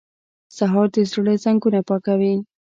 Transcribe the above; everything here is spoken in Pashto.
سهار د زړه زنګونه پاکوي.